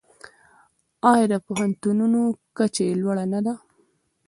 آیا د پوهنتونونو کچه یې لوړه نه ده؟